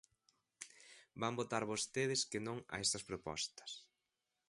Van votar vostedes que non a estas propostas.